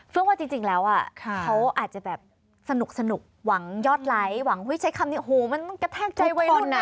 เฝื่อว่าจริงแล้วอะเขาอาจจะแบบสนุกหวังยอดลย์หวังว่าใช้คำนี้หูยมันกระแทกใจไวรุแน่